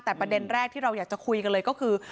แต่ประเด็นแรกที่เราอยากจะคุยกันเลยก็คือ